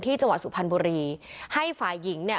จังหวัดสุพรรณบุรีให้ฝ่ายหญิงเนี่ย